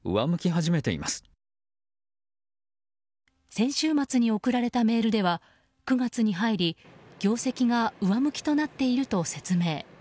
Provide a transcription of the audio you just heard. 先週末に送られたメールでは９月に入り業績が上向きとなっていると説明。